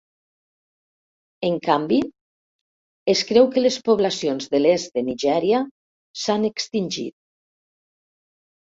En canvi, es creu que les poblacions de l'est de Nigèria s'han extingit.